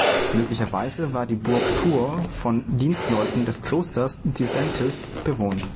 Möglicherweise war die Burg Tuor von Dienstleuten des Klosters Disentis bewohnt.